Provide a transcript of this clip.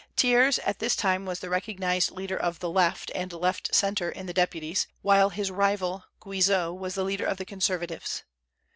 Thiers at this time was the recognized leader of the Left and Left Centre in the Deputies, while his rival, Guizot, was the leader of the Conservatives.